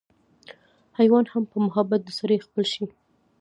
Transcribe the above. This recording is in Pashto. حېوان هم پۀ محبت د سړي خپل شي